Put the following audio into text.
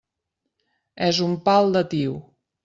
És un pal de tio.